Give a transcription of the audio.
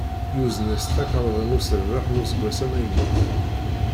Yuzen-as takarḍa n userbeḥ n useggas amaynut.